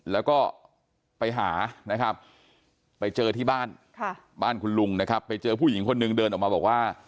แล้วก็ไปหานะครับไปเจอที่บ้านบ้านคุณลุงนะครับไปเจอผู้หญิงคนนึงเดินออกมาบอกว่า